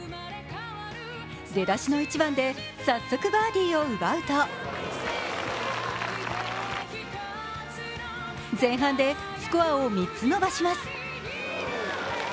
出だしの１番で早速バーディーを奪うと前半でスコアを３つ伸ばします。